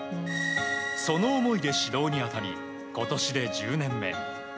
その思いで指導に当たり今年で１０年目。